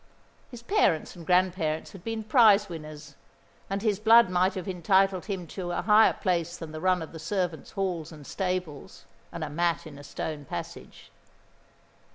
His parents and grandparents had been prize winners, and his blood might have entitled him to a higher place than the run of the servants' hall and stables and a mat in a stone passage.